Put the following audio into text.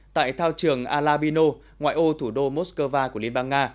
tại thao trường alabino ngoại ô thủ đô moscow của liên bang nga